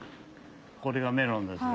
これがメロンですよ。